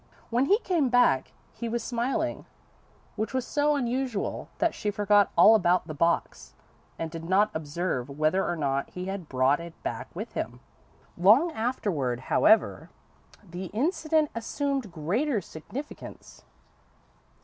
When he came back, he was smiling, which was so unusual that she forgot all about the box, and did not observe whether or not he had brought it back with him. Long afterward, however, the incident assumed greater significance.